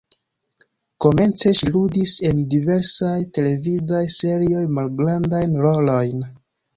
Komence ŝi ludis en diversaj televidaj serioj, malgrandajn rolojn.